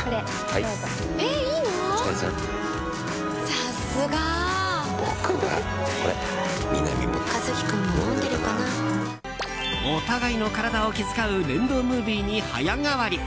さすが。お互いの体を気遣う連動ムービーに早変わり。